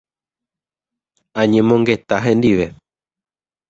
Añemongeta hendive.